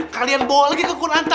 kalian bawa lagi ke kunanta